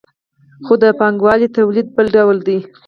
خو د پانګوالي تولید بل ډول دی.